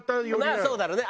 まあそうだろうね。